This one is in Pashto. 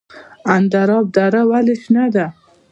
اندراب دره ولې شنه ده؟